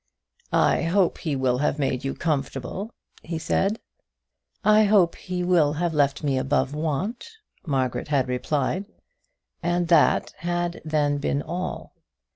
"I hope he will have made you comfortable," he said. "I hope he will have left me above want," Margaret had replied and that had then been all.